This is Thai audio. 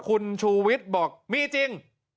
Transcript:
คุณชูวิทย์บอกมีจริง